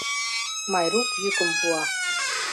— Майрук йӱкым пуа.